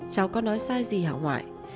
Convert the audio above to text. cháu có nói sai gì hả ngoại